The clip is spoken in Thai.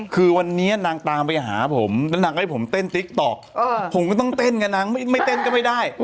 คือวันนี้นางตามไปหาผมแล้วนางก็ให้ผมเต้นติ๊กต๊อกผมก็ต้องเต้นไงนางไม่เต้นก็ไม่ได้